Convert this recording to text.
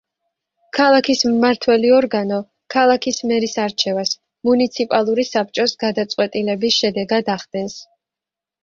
ქალაქის მმართველი ორგანო ქალაქის მერის არჩევას მუნიციპალური საბჭოს გადაწყვეტილების შედეგად ახდენს.